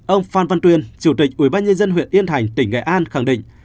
ông phan văn tuyên chủ tịch ubnd huyện yên thành tỉnh nghệ an khẳng định